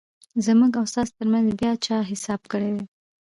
زموږ او ستاسو ترمنځ بیا چا حساب کړیدی؟